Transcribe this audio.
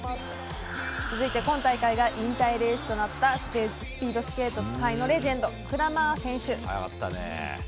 続いて、今大会が引退レースとなったスピードスケート界のレジェンドクラマー選手。